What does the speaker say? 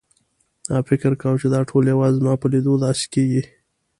ما فکر کاوه چې دا ټول یوازې زما په لیدو داسې کېږي.